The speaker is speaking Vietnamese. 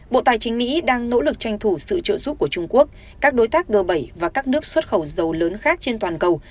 bộ tài chính mỹ đang nỗ lực tranh thủ sự trợ giúp của trung quốc các đối tác g bảy và các nước xuất khẩu dầu lớn khác trên toàn cầu